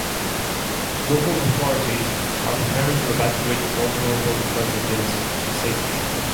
Local authorities are preparing to evacuate vulnerable residents to safety.